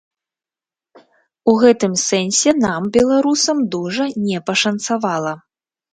У гэтым сэнсе нам, беларусам, дужа не пашанцавала.